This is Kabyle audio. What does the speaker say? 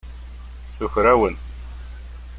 Tuker-awen.